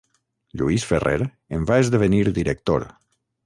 Lluís Ferrer en va esdevenir director.